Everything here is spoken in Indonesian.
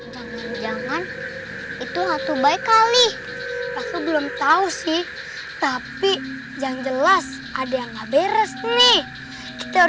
jangan jangan itu waktu baik kali aku belum tahu sih tapi yang jelas ada yang nggak beres nih kita